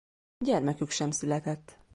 Gyermekük sem született.